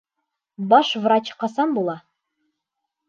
Баш врач ҡасан була?